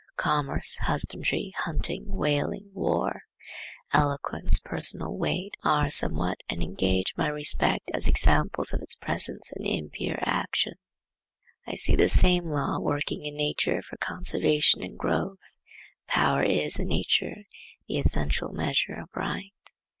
Commerce, husbandry, hunting, whaling, war, eloquence, personal weight, are somewhat, and engage my respect as examples of its presence and impure action. I see the same law working in nature for conservation and growth. Power is, in nature, the essential measure of right.